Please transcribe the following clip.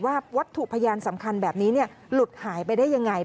วัตถุพยานสำคัญแบบนี้หลุดหายไปได้ยังไง